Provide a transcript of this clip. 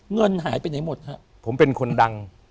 เงินหายไปไหนหมดฮะผมเป็นคนดัง